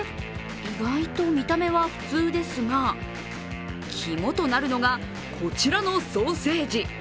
意外と見た目は普通ですがキモとなるのが、こちらのソーセージ。